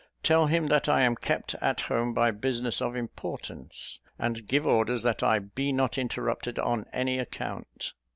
Tell him that I am kept at home by business of importance; and give orders that I be not interrupted on any account."